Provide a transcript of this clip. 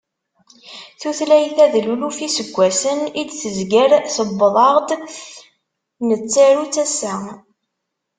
Tutlayt-a d luluf iseggasen i d-tezger, tewweḍ-aɣ-d nettaru-tt assa.